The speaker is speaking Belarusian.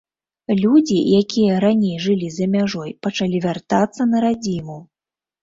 Людзі, якія раней жылі за мяжой, пачалі вяртацца на радзіму.